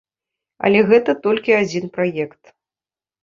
Але гэта толькі адзін праект.